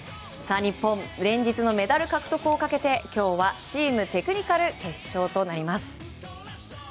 日本、連日のメダル獲得をかけて今日は、チームテクニカルの決勝となります。